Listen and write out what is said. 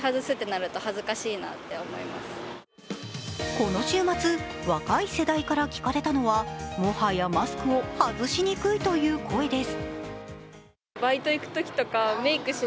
この週末、若い世代から聞かれたのはもはやマスクを外しにくいという声です。